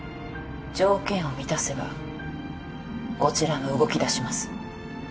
条件を満たせばこちらも動きだします